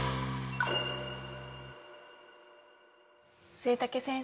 季武先生